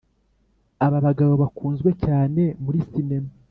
aba bagabo bakunzwe cyane muri sinema